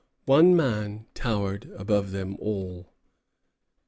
One man towered above them all.